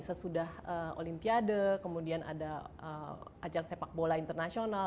sesudah olimpiade kemudian ada ajang sepak bola internasional